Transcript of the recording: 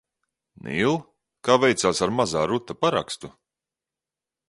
"Nīl, kā veicās ar "Mazā" Ruta parakstu?"